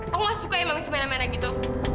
aku gak suka ya mami semena mena gitu